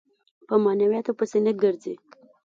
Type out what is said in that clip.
په معنوياتو پسې نه ګرځي.